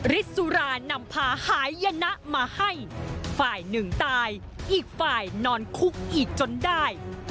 สุรานำพาหายยนะมาให้ฝ่ายหนึ่งตายอีกฝ่ายนอนคุกอีกจนได้